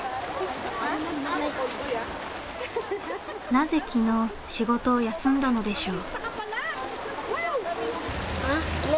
なぜ昨日仕事を休んだのでしょう。